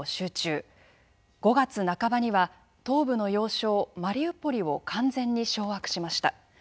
５月半ばには東部の要衝マリウポリを完全に掌握しました。